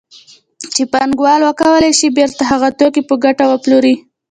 چې پانګوال وکولای شي بېرته هغه توکي په ګټه وپلوري